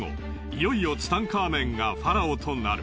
いよいよツタンカーメンがファラオとなる。